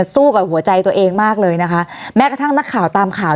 สู้กับหัวใจตัวเองมากเลยนะคะแม้กระทั่งนักข่าวตามข่าว